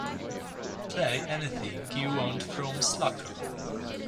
Play anything you want from Slacker